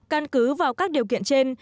căn cứ vào các điều kiện trên